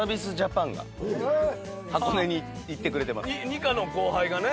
ニカの後輩がね。